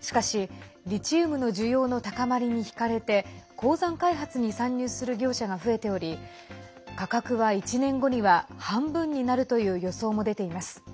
しかし、リチウムの需要の高まりに引かれて鉱山開発に参入する業者が増えており価格は１年後には半分になるという予想も出ています。